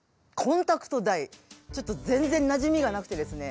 ちょっと全然なじみがなくてですね。